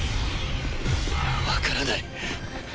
分からない。